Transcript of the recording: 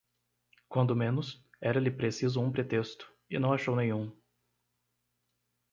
Quando menos, era-lhe preciso um pretexto, e não achou nenhum.